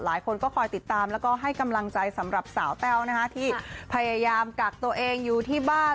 หลายคนก็คอยติดตามแล้วก็ให้กำลังใจสำหรับสาวแต้วนะคะที่พยายามกักตัวเองอยู่ที่บ้าน